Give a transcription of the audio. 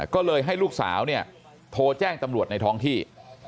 ก็เลยให้ลูกสาวเนี่ยโทรแจ้งตำรวจในท้องที่